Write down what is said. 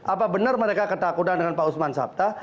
apa benar mereka ketakutan dengan pak usman sabta